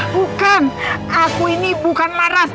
bukan aku ini bukan maras